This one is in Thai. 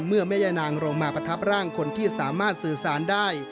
แม่ย่านางลงมาประทับร่างคนที่สามารถสื่อสารได้